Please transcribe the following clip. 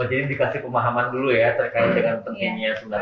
oh jadi dikasih pemahaman dulu ya terkait dengan petinya